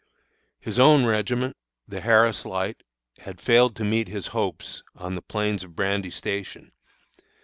His own regiment, the Harris Light, had failed to meet his hopes on the plains of Brandy Station.